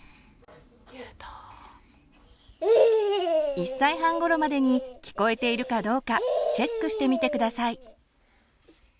１歳半ごろまでに聞こえているかどうかチェックしてみて下さい。